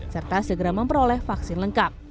serta segera memperoleh vaksin lengkap